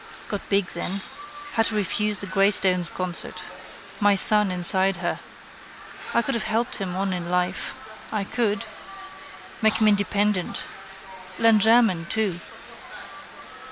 Got big then. Had to refuse the Greystones concert. My son inside her. I could have helped him on in life. I could. Make him independent. Learn German too.